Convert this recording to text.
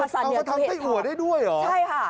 ซะเนื้อคือเห็ดทอบ